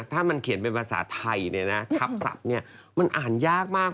ถ้ามันเขียนเป็นภาษาไทยเนี่ยนะทรัพย์ทรัพย์เนี่ยมันอ่านยากมาก